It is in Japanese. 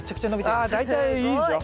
ああ大体いいですよ。